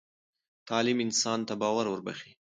تعلیم انسان ته باور وربخښي.